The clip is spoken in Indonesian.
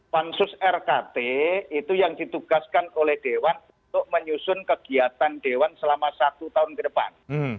pansus rkt itu yang ditugaskan oleh dewan untuk menyusun kegiatan dewan selama satu tahun ke depan